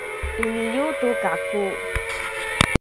iniyu tu kaku